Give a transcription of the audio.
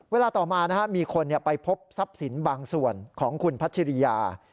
เวลาต่อมามีคนไปพบทรัพย์สินบางส่วนของคุณพัชริยา